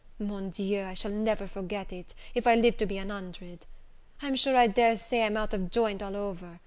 Mon Dieu I shall never forget it, if I live to be an hundred. I'm sure I dare say I'm out of joint all over.